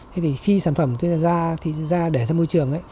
thế thì khi sản phẩm tôi ra thì ra để ra môi trường